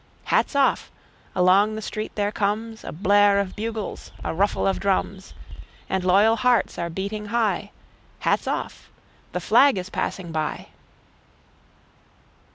Hats off! Along the street there comesA blare of bugles, a ruffle of drums; And loyal hearts are beating high:Hats off! The flag is passing by!